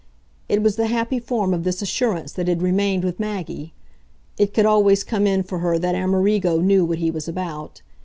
It was the happy form of this assurance that had remained with Maggie; it could always come in for her that Amerigo knew what he was about.